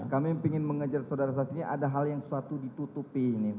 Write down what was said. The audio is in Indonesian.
kami ingin mengejar saudara saksi ini ada hal yang suatu ditutupi ini